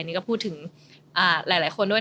นี่ก็พูดถึงหลายคนด้วย